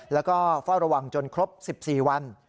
แล้วก็เฝ้าระวังจนครบ๑๔วัน